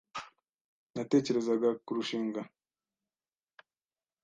Natekerezaga kurushinga.